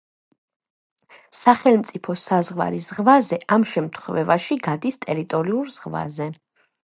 სახელმწიფო საზღვარი ზღვაზე ამ შემთხვევაში გადის ტერიტორიულ ზღვაზე.